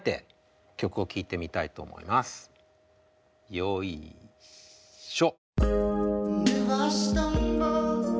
よいしょ。